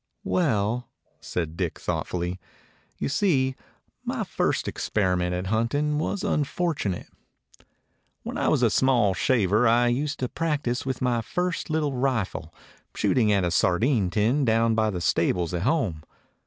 "Well," said Dick thoughtfully, "you see, my first experiment at hunting was unfortu nate. When I was a small shaver I used to practise with my first little rifle, shooting at a sardine tin down by the stables at home.